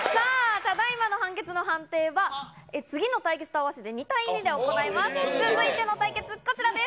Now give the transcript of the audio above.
ただいまの対決の判定は、次の対決と合わせて２対２で行います。